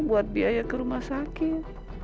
buat biaya ke rumah sakit